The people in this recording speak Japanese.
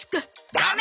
ダメ！